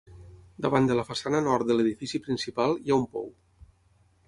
Davant de la façana nord de l'edifici principal, hi ha un pou.